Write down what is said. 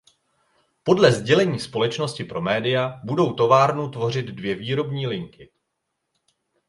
Podle sdělení společnosti pro média budou továrnu tvořit dvě výrobní linky.